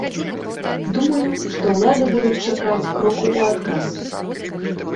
Думаю, што ўлады будуць чакаць кроку ў адказ.